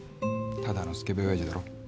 ただのスケベ親父だろ。